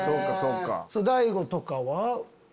大悟とかは？